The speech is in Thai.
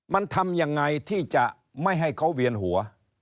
มันทำยังไงที่จะไม่ให้เขาเวียนหัว